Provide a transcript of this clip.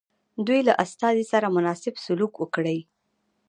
دوی له استازي سره مناسب سلوک وکړي.